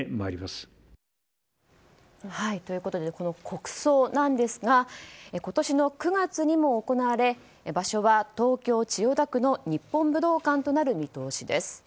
国葬なんですが今年の９月にも行われ場所は、東京・千代田区の日本武道館となる見通しです。